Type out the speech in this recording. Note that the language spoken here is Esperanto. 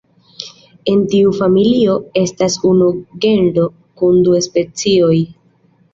En tiu familio estas unu genro kun du specioj.